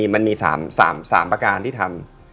มันมี๓ประการที่ทำ